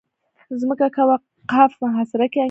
ځمکه کوه قاف محاصره کې انګېري.